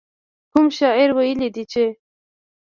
کوم شاعر ويلي دي چې.